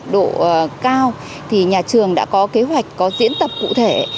độ cao thì nhà trường đã có kế hoạch có diễn tập cụ thể